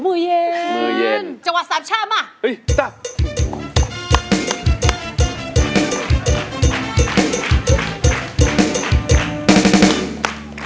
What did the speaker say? มือเย็นจังหวัดสามชาติมาจัง